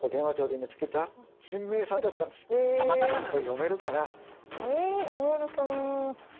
読めるかな？